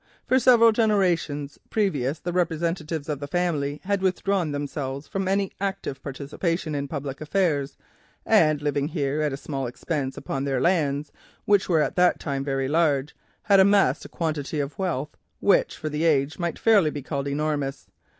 For several generations previous the representatives of the family had withdrawn themselves from any active participation in public affairs, and living here at small expense upon their lands, which were at that time very large, had amassed a quantity of wealth that, for the age, might fairly be called enormous.